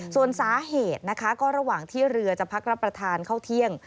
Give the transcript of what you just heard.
ส่วนสาเหตุนะคะก็ระหว่างที่เรือจะพักรับประทานเข้าเที่ยง